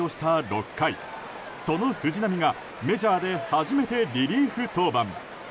６回その藤浪がメジャーで初めてリリーフ登板。